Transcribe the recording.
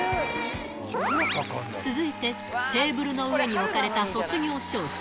続いてテーブルの上に置かれた卒業証書。